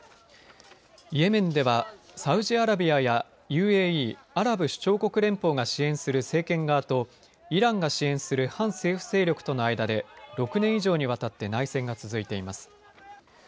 イエメンではサウジアラビアやＵＡＥ・アラブ首長国連邦が支援する政権側とイランが支援する反政府勢力との間で６年以上にわたって内戦が続いています。